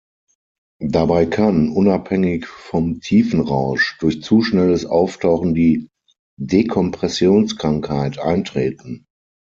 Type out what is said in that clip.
Dabei kann, unabhängig vom Tiefenrausch, durch zu schnelles Auftauchen die Dekompressionskrankheit eintreten.